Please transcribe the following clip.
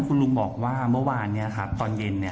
คุณลุงบอกว่าเมื่อวานนี้ครับตอนเย็น